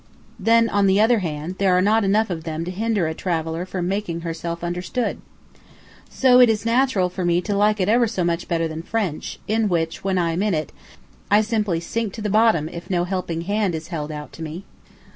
Then, on the other hand, there are not enough of them to hinder a traveller from making herself understood. So it is natural for me to like it ever so much better than French, in which, when I am in it, I simply sink to the bottom if no helping hand is held out to me.